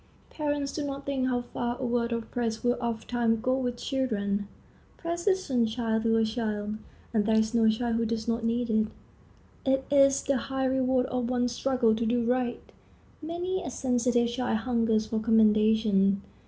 Parents do not think how far a word of praise will ofttimes go with children. Praise is sunshine to a child, and there is no child who does not need it. It is the high reward of one's struggle to do right. Many a sensitive child hungers for commendation.